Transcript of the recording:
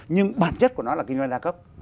nhưng bản chất của nó là kinh doanh đa cấp